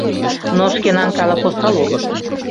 Но шкенан калык осал улыт.